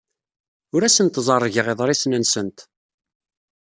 Ur asent-ẓerrgeɣ iḍrisen-nsent.